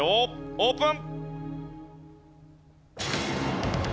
オープン！